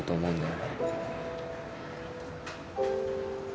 うん。